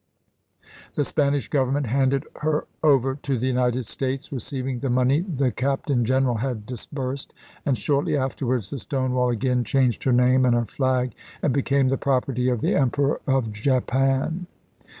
The Spanish Government handed her over to the United States, receiving the money the Captain General had disbursed, and shortly afterwards the Stonewall again changed her name and her flag and became the property of the Em peror of Japan.